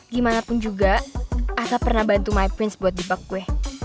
gimanapun juga ata pernah bantu my prince buat jebak gue